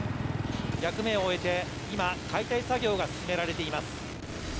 役目を終えて今、解体作業が進められています。